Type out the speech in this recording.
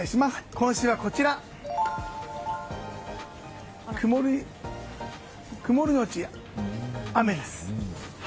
今週は、曇りのち雨です。